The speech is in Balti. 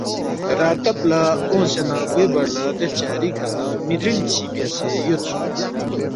راتب لہ اونگسے نہ گوے بر لہ دے ہلچنگری کھہ می دِرِل چی بیاسے یودسُوک